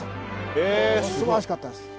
すばらしかったです。